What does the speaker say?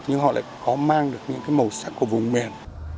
nhưng họ lại có mang được những cái màu sắc của vùng miền